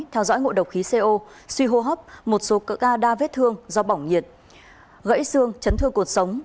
theo dõi ngộ độc khí co suy hô hấp một số cỡ ca đa vết thương do bỏng nhiệt gãy xương chấn thương cuộc sống